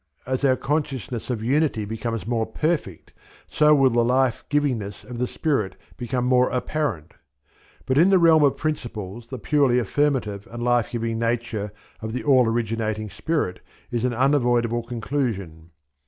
As our consciousness of unity becomes more perfect so will the life givingness of the Spirit become more apparent. But in the realm of principles the purely Affirmative and Life giving nature of the All originating Spirit is an unavoidable conclusion.